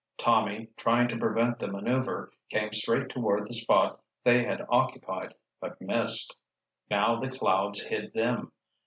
Tommy, trying to prevent the maneuver, came straight toward the spot they had occupied, but missed. Now the clouds hid them.